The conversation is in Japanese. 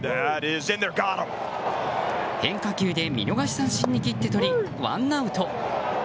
変化球で見逃し三振に切ってとり、ワンアウト。